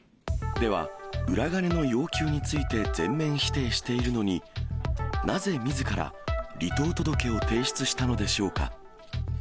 では、裏金の要求について全面否定しているのに、なぜみずから、離党届を提出したのでしょうか。